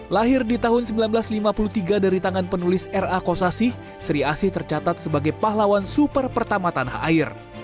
lahir di tahun seribu sembilan ratus lima puluh tiga dari tangan penulis ra kosasih sri asih tercatat sebagai pahlawan super pertama tanah air